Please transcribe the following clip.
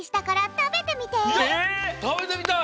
たべてみたい！